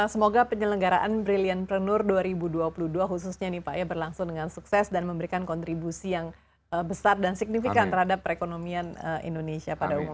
semoga penyelenggaraan brilliantpreneur dua ribu dua puluh dua khususnya nih pak ya berlangsung dengan sukses dan memberikan kontribusi yang besar dan signifikan terhadap perekonomian indonesia pada umumnya